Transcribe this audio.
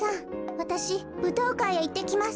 わたしぶとうかいへいってきます。